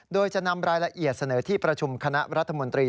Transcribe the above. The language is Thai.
โดยจะนำรายละเอียดเสนอที่ประชุมคณะรัฐมนตรี